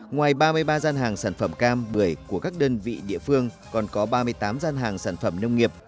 ngoài ba mươi ba gian hàng sản phẩm cam bưởi của các đơn vị địa phương còn có ba mươi tám gian hàng sản phẩm nông nghiệp